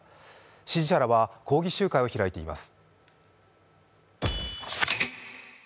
支持者らは抗議集会を開いています。